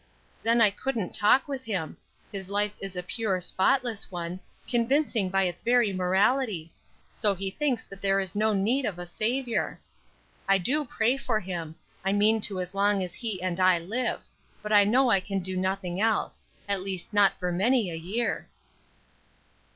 Then I couldn't talk with him. His life is a pure, spotless one, convincing by its very morality; so he thinks that there is no need of a Saviour. I do pray for him; I mean to as long as he and I live; but I know I can do nothing else; at least not for many a year."